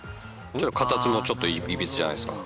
形もちょっといびつじゃないですか？